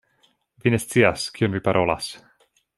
Vi ne scias kion vi parolas.